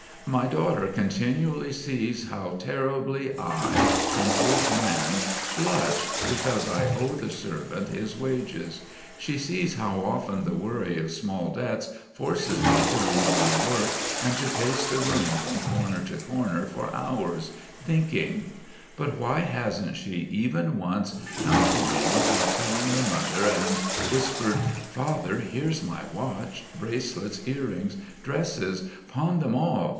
My daughter continually sees how terribly I, an old man, blush because I owe the servant his wages; she sees how often the worry of small debts forces me to leave my work and to pace the room from corner to corner for hours, thinking; but why hasn't she, even once, come to me without telling her mother and whispered: "Father, here's my watch, bracelets, earrings, dresses.... Pawn them all....